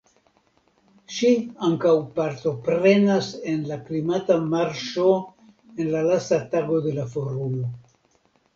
Ŝi ankaŭ partoprenas en la klimata marŝo en la lasta tago de la Forumo.